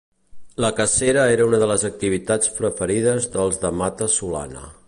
La cacera era una de les activitats preferides dels de Mata-solana.